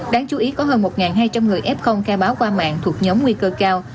đáng chú ý có hơn một hai trăm linh người f khai báo qua mạng thuộc nhóm nguy cơ cao